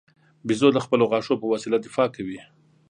بیزو د خپلو غاښو په وسیله دفاع کوي.